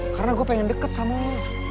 karena gue pengen deket sama lo